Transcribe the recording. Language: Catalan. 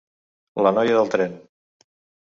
La noia del tren.